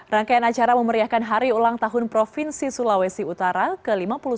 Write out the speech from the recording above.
rangkaian acara memeriahkan hari ulang tahun provinsi sulawesi utara ke lima puluh satu